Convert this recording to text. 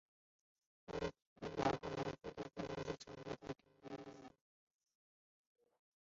然后将浓缩的热用作常规电站的热源。